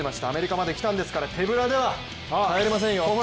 アメリカまで来たんですから、手ぶらでは帰れませんよ。